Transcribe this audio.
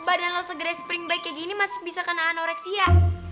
badan lo segera spring bike kayak gini masih bisa kena anoreksia